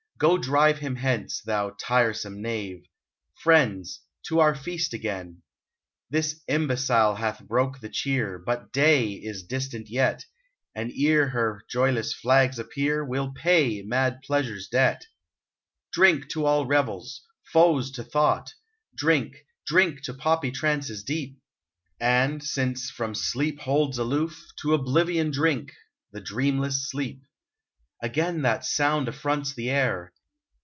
— Go drive him hence, thou tiresome knave !... Friends, to our feast again! 105 UNBIDDEN This imbecile hath broke the cheer ; But day is distant yet, And ere her joyless flags appear, We 11 pay mad pleasure's debt. Drink to all revels — foes to thought ! Drink, drink to poppy trances deep ! And since from some sleep holds aloof. To oblivion drink !— the dreamless sleep. Again that sound affronts the air